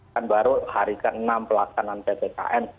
kan baru hari ke enam pelaksanaan ppkm